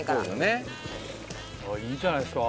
いいんじゃないですか？